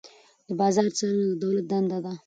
د بازار څارنه د دولت دنده ده.